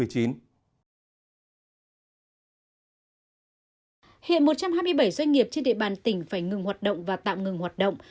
hiện một trăm hai mươi bảy doanh nghiệp trên địa bàn tỉnh phải ngừng hoạt động và tạm ngừng hoạt động